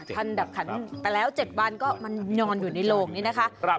ทันดับขันไปแล้ว๗วันก็มานอนอยู่ในโลงนี้นะคะ